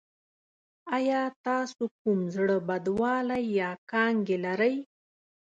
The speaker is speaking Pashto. ایا تاسو کوم زړه بدوالی یا کانګې لرئ؟